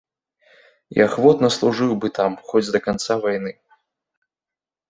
І ахвотна служыў бы там хоць да канца вайны.